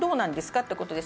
ってことです。